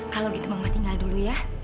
kalau gitu mau tinggal dulu ya